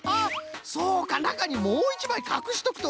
そうかなかにもういちまいかくしとくとはな。